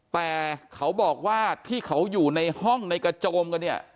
แต่เขาบอกว่าที่เขาอยู่ในห้องในกระโจมกันเนี่ย